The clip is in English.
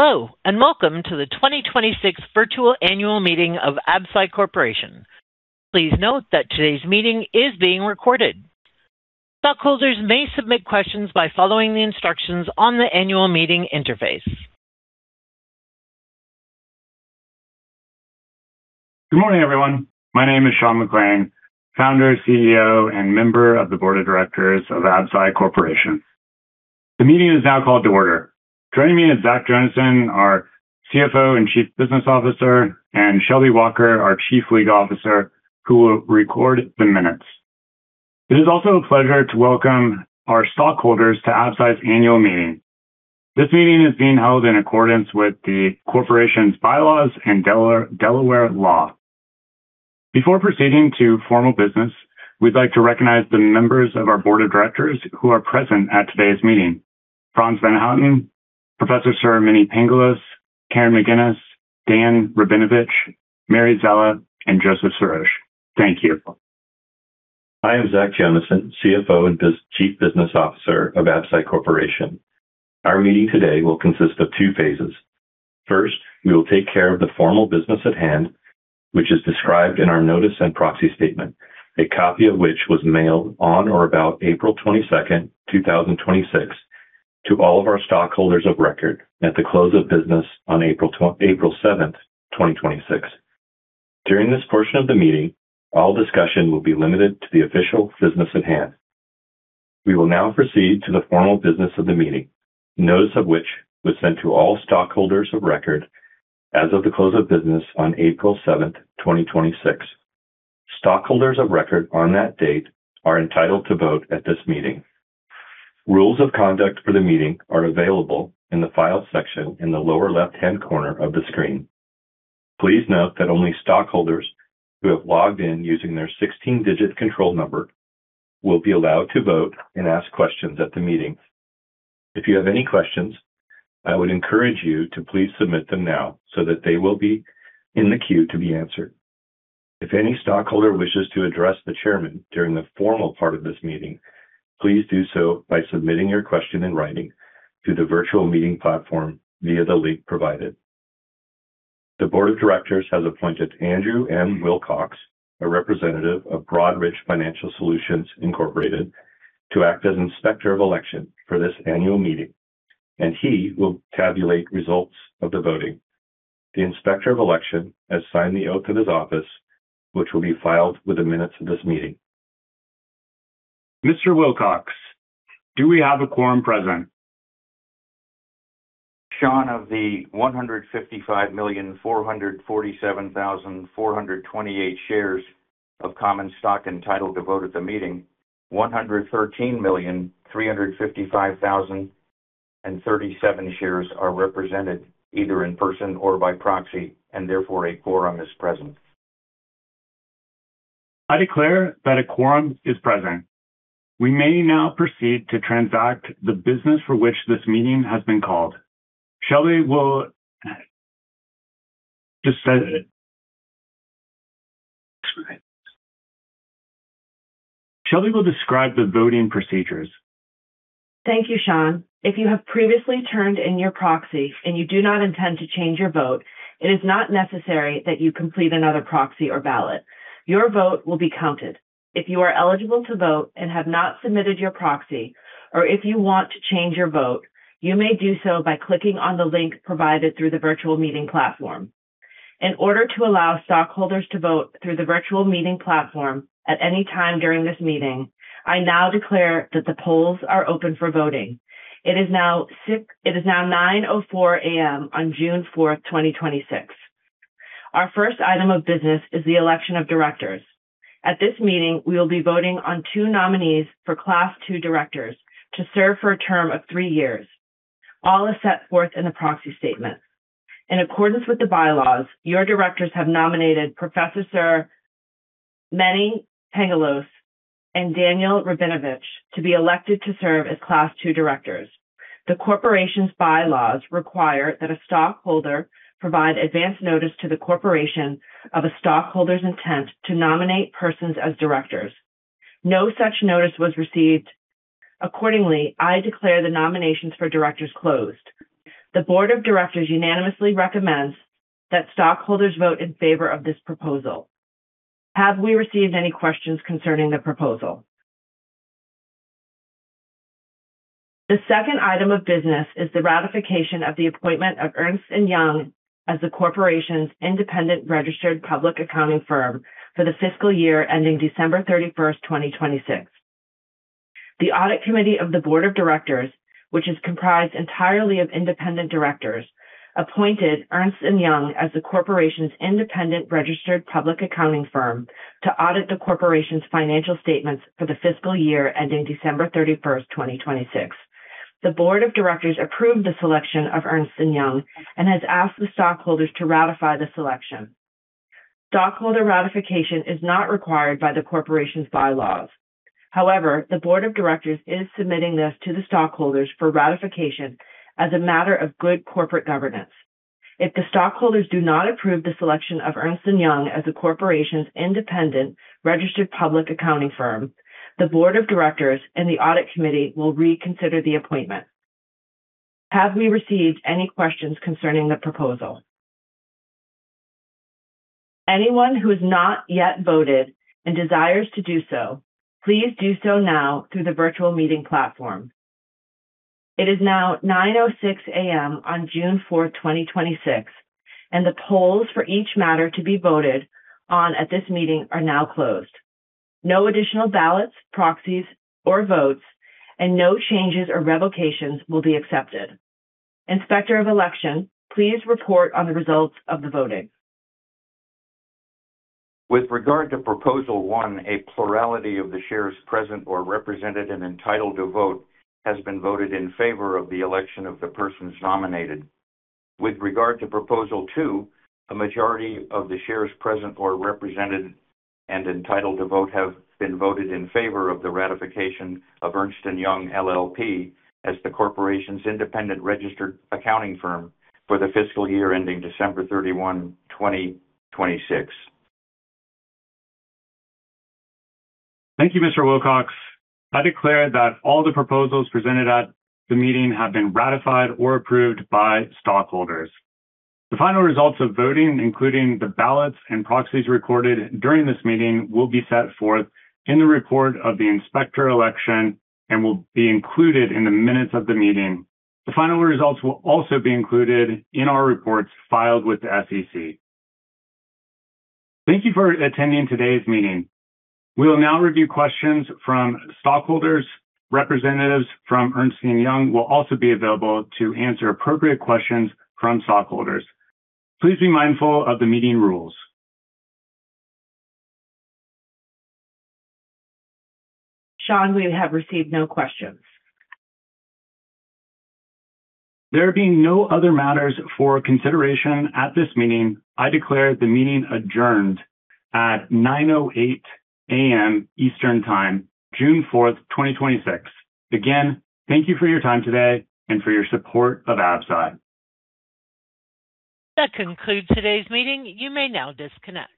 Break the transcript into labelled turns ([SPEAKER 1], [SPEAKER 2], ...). [SPEAKER 1] Hello, welcome to the 2026 virtual annual meeting of Absci Corporation. Please note that today's meeting is being recorded. Stockholders may submit questions by following the instructions on the annual meeting interface.
[SPEAKER 2] Good morning, everyone. My name is Sean McClain, founder, CEO, and member of the board of directors of Absci Corporation. The meeting is now called to order. Joining me is Zach Jonasson, our CFO and Chief Business Officer, and Shelby Walker, our Chief Legal Officer, who will record the minutes. It is also a pleasure to welcome our stockholders to Absci's annual meeting. This meeting is being held in accordance with the corporation's bylaws and Delaware law. Before proceeding to formal business, we'd like to recognize the members of our board of directors who are present at today's meeting. Frans van Houten, Professor Sir Mene Pangalos, Karen McGinnis, Dan Rabinovitsj, Mary Szela, and Joseph Sirosh. Thank you.
[SPEAKER 3] I am Zach Jonasson, CFO and Chief Business Officer of Absci Corporation. Our meeting today will consist of two phases. First, we will take care of the formal business at hand, which is described in our notice and proxy statement, a copy of which was mailed on or about April 22nd, 2026 to all of our stockholders of record at the close of business on April 7th, 2026. During this portion of the meeting, all discussion will be limited to the official business at hand. We will now proceed to the formal business of the meeting, notice of which was sent to all stockholders of record as of the close of business on April 7th, 2026. Stockholders of record on that date are entitled to vote at this meeting. Rules of conduct for the meeting are available in the Files section in the lower left-hand corner of the screen. Please note that only stockholders who have logged in using their 16-digit control number will be allowed to vote and ask questions at the meeting. If you have any questions, I would encourage you to please submit them now so that they will be in the queue to be answered. If any stockholder wishes to address the chairman during the formal part of this meeting, please do so by submitting your question in writing through the virtual meeting platform via the link provided. The board of directors has appointed Andrew N. Wilcox, a representative of Broadridge Financial Solutions, Inc., to act as Inspector of Election for this annual meeting, and he will tabulate results of the voting. The Inspector of Election has signed the oath of his office, which will be filed with the minutes of this meeting.
[SPEAKER 2] Mr. Wilcox, do we have a quorum present?
[SPEAKER 4] Sean, of the 155,447,428 shares of common stock entitled to vote at the meeting, 113,355,037 shares are represented either in person or by proxy, and therefore, a quorum is present.
[SPEAKER 2] I declare that a quorum is present. We may now proceed to transact the business for which this meeting has been called. Shelby will describe the voting procedures.
[SPEAKER 1] Thank you, Sean. If you have previously turned in your proxy and you do not intend to change your vote, it is not necessary that you complete another proxy or ballot. Your vote will be counted. If you are eligible to vote and have not submitted your proxy, or if you want to change your vote, you may do so by clicking on the link provided through the virtual meeting platform. In order to allow stockholders to vote through the virtual meeting platform at any time during this meeting, I now declare that the polls are open for voting. It is now 9:04 A.M. on June 4th, 2026. Our first item of business is the election of directors. At this meeting, we will be voting on two nominees for Class II directors to serve for a term of three years, all as set forth in the proxy statement. In accordance with the bylaws, your directors have nominated Professor Sir Menelas Pangalos and Daniel Rabinovitsj to be elected to serve as Class II directors. The corporation's bylaws require that a stockholder provide advance notice to the corporation of a stockholder's intent to nominate persons as directors. No such notice was received. Accordingly, I declare the nominations for directors closed. The board of directors unanimously recommends that stockholders vote in favor of this proposal. Have we received any questions concerning the proposal? The second item of business is the ratification of the appointment of Ernst & Young as the corporation's independent registered public accounting firm for the fiscal year ending December 31st, 2026. The audit committee of the board of directors, which is comprised entirely of independent directors, appointed Ernst & Young as the corporation's independent registered public accounting firm to audit the corporation's financial statements for the fiscal year ending December 31st, 2026. The board of directors approved the selection of Ernst & Young and has asked the stockholders to ratify the selection. Stockholder ratification is not required by the corporation's bylaws. The board of directors is submitting this to the stockholders for ratification as a matter of good corporate governance. If the stockholders do not approve the selection of Ernst & Young as the corporation's independent registered public accounting firm, the board of directors and the audit committee will reconsider the appointment. Have we received any questions concerning the proposal? Anyone who has not yet voted and desires to do so, please do so now through the virtual meeting platform. It is now 9:00 A.M. on June fourth, 2026, and the polls for each matter to be voted on at this meeting are now closed. No additional ballots, proxies, or votes, and no changes or revocations will be accepted. Inspector of Election, please report on the results of the voting.
[SPEAKER 4] With regard to proposal one, a plurality of the shares present or represented and entitled to vote has been voted in favor of the election of the persons nominated. With regard to proposal two, a majority of the shares present or represented and entitled to vote have been voted in favor of the ratification of Ernst & Young LLP as the corporation's independent registered accounting firm for the fiscal year ending December 31, 2026.
[SPEAKER 2] Thank you, Mr. Wilcox. I declare that all the proposals presented at the meeting have been ratified or approved by stockholders. The final results of voting, including the ballots and proxies recorded during this meeting, will be set forth in the report of the Inspector of Election and will be included in the minutes of the meeting. The final results will also be included in our reports filed with the SEC. Thank you for attending today's meeting. We will now review questions from stockholders. Representatives from Ernst & Young will also be available to answer appropriate questions from stockholders. Please be mindful of the meeting rules.
[SPEAKER 1] Sean, we have received no questions.
[SPEAKER 2] There being no other matters for consideration at this meeting, I declare the meeting adjourned at 9:00 A.M. Eastern Time, June 4, 2026. Again, thank you for your time today and for your support of Absci.
[SPEAKER 1] That concludes today's meeting. You may now disconnect.